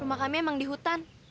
rumah kami emang di hutan